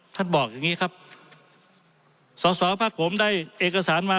ท่านบอกอย่างงี้ครับสอสอภาคผมได้เอกสารมา